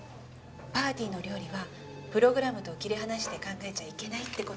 パーティーの料理はプログラムと切り離して考えちゃいけないって事に。